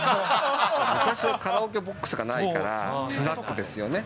昔はカラオケボックスがないからスナックですよね。